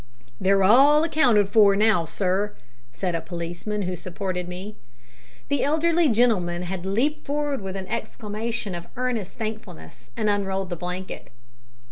"They're all accounted for now, sir," said a policeman, who supported me. The elderly gentleman had leaped forward with an exclamation of earnest thankfulness, and unrolled the blanket.